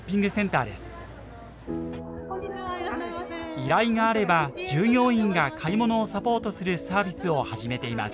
依頼があれば従業員が買い物をサポートするサービスを始めています。